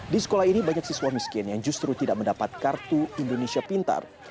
di sekolah ini banyak siswa miskin yang justru tidak mendapat kartu indonesia pintar